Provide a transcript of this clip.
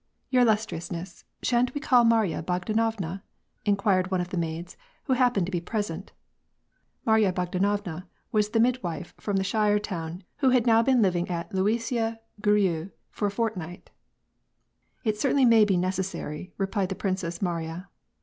"Your illustriousness, shan't we call Marya Bogdanovna?" inquired one of the maids, who happened to be present (Marya Bogdanovna was the midwife from the shire town, who had now been living at Luisiya Gorui for a fortnight) " It certainly may be necessai y," replied the Princess Ma riya.